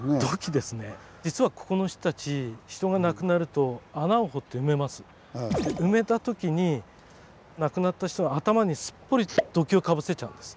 実はここの人たち埋めた時に亡くなった人は頭にすっぽり土器をかぶせちゃうんです。